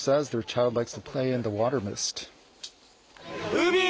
海。